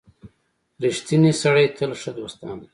• رښتینی سړی تل ښه دوستان لري.